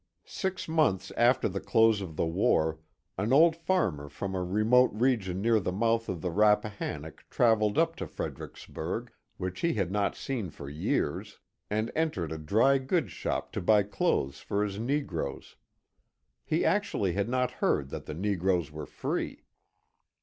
Six months after the close of the war an old farmer from a remote region near the mouth of the Rappahannock travelled up to Fredericksburg, which he had not seen for years, and entered a dry goods shop to buy clothes for his negroes. He actually had not heard that the negroes were free.